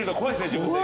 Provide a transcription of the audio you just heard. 自分で。